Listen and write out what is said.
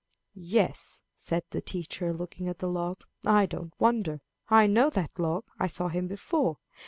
"Yes," said the teacher, looking at the log, "I don't wonder. I know that log. I saw him before.